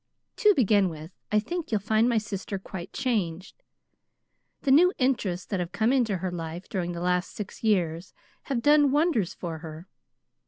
To begin with, I think you'll find my sister quite changed. The new interests that have come into her life during the last six years have done wonders for her.